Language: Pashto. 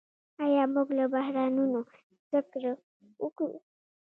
آیا موږ له بحرانونو زده کړه کوو؟